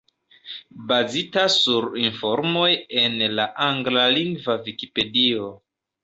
Bazita sur informoj en la anglalingva Vikipedio.